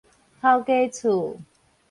頭家厝